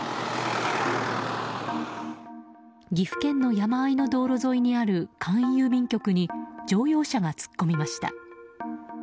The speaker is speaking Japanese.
岐阜県の山あいの道路沿いにある簡易郵便局に乗用車が突っ込みました。